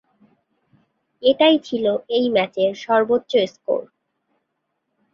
এটাই ছিল ওই ম্যাচের সর্বোচ্চ স্কোর।